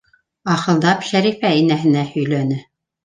Ахылдап, Шәрифә инәһенә һөйләне: